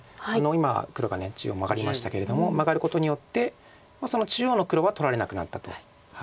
今黒が中央マガりましたけれどもマガることによってその中央の黒は取られなくなったと。